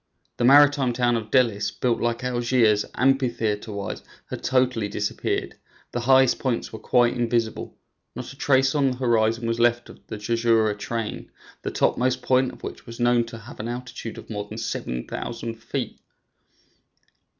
The maritime town of Dellis, built like Algiers, amphitheater wise, had totally disappeared; the highest points were quite invisible; not a trace on the horizon was left of the Jurjura chain, the topmost point of which was known to have an altitude of more than 7,000 feet.